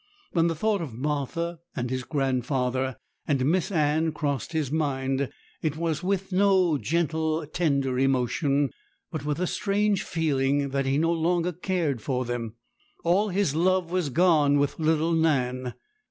When the thought of Martha, and his grandfather, and Miss Anne crossed his mind, it was with no gentle, tender emotion, but with a strange feeling that he no longer cared for them. All his love was gone with little Nan.